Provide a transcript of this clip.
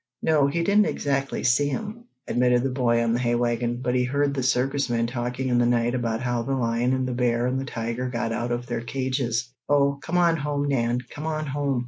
"No, he didn't exactly see 'em," admitted the boy on the hay wagon, "but he heard the circus men talking in the night about how the lion and the bear and the tiger got out of their cages." "Oh, come on home, Nan! Come on home!"